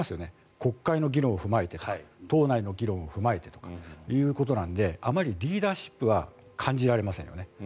国会の議論を踏まえてとか党内の議論を踏まえてということなのであまりリーダーシップは感じられませんよね。